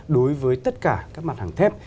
đối với tất cả các mặt hàng thép